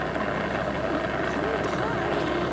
あっななんだあれ？